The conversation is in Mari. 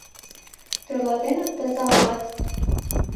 Тӧрлатеныт, таза улат?